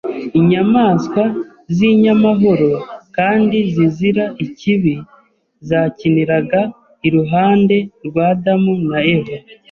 Inyamaswa z’inyamahoro kandi zizira ikibi zakiniraga iruhande rwa Adamu na Eva